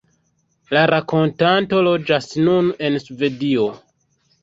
La rakontanto loĝas nun en Svedio.